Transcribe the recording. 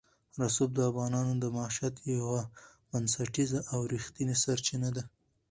رسوب د افغانانو د معیشت یوه بنسټیزه او رښتینې سرچینه ده.